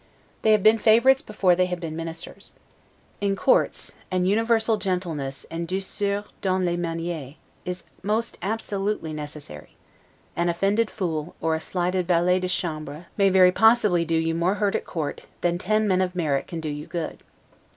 They have been favorites before they have been ministers. In courts, an universal gentleness and 'douceur dans les manieres' is most absolutely necessary: an offended fool, or a slighted valet de chambre, may very possibly do you more hurt at court, than ten men of merit can do you good.